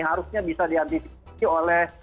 harusnya bisa diantisipasi oleh